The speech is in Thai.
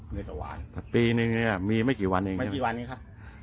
เนื่องจากวานปีหนึ่งเนี้ยมีไม่กี่วันเองไม่กี่วันนี้ครับ